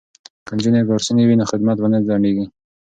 که نجونې ګارسونې وي نو خدمت به نه ځنډیږي.